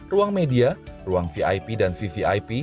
ruang media ruang vip dan vvip